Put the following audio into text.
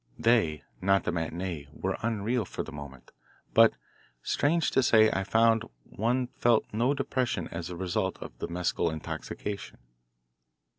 They, not the matinee, were unreal for the moment. But, strange to say, I found one felt no depression as a result of the mescal intoxication.